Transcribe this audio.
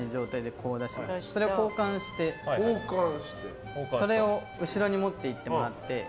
それを交換して、それを後ろに持っていってもらって。